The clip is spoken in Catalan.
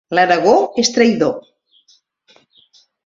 L'Aragó és traïdor.